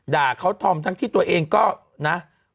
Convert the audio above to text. ด่าเขาธอมทั้งที่ตัวเองก็นะ